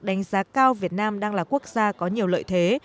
đánh giá cao việt nam đang là quốc gia có nhiều lợi thế